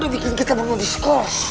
lo udah bikin kita bangunan discourse